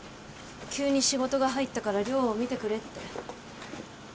急に仕事が入ったから亮を見てくれって。